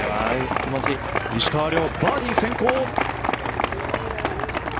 石川遼、バーディー先行！